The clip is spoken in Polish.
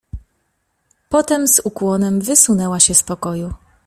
"Potem z ukłonem wysunęła się z pokoju."